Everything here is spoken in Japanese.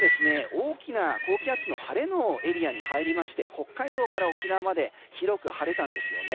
大きな高気圧の晴れのエリアに入りまして北海道から沖縄まで広く晴れたんですよね。